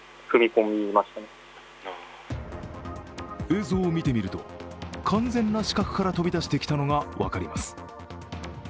映像を見てみると、完全な死角から飛び出してきたのが分かります。